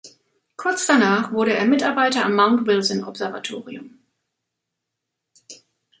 Kurz danach wurde er Mitarbeiter am Mount-Wilson-Observatorium.